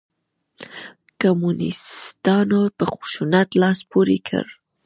کمونسیتانو په خشونت لاس پورې کړ.